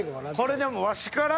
これでもワシから。